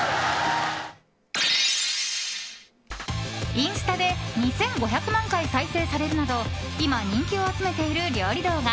インスタで２５００万回再生されるなど今、人気を集めている料理動画